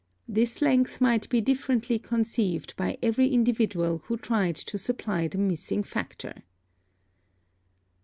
This length might be differently conceived by every individual who tried to supply the missing factor.